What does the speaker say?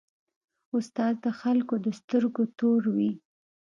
استاد د خلکو د سترګو تور وي.